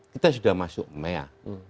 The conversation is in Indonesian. kita sudah masuk mea